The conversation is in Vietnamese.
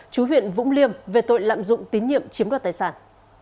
chú huyện vũng liêm về tội lạm dụng tín nhiệm chiếm đoạt tài sản